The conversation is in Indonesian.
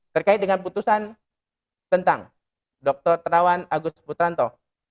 terkait dengan putusan tentang dr terawan agus putranto